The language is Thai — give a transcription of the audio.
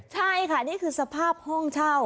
ใช่ค่ะนี่คือสภาพห้องเช่า